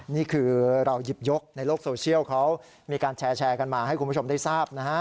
นี่คือเราหยิบยกในโลกโซเชียลเขามีการแชร์กันมาให้คุณผู้ชมได้ทราบนะฮะ